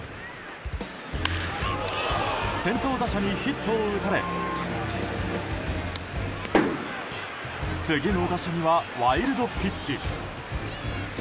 先頭打者にヒットを打たれ次の打者にはワイルドピッチ。